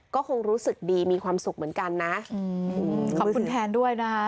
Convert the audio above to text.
ก็คงรู้สึกดีมีความสุขเหมือนกันนะขอบคุณแทนด้วยนะคะ